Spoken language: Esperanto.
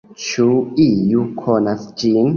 Ĉu iu konas ĝin?